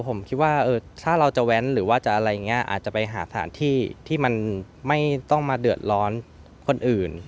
ผมคิดว่าถ้าเราจะแว้นหรือว่าจะอะไรอย่างนี้อาจจะไปหาสถานที่ที่มันไม่ต้องมาเดือดร้อนคนอื่น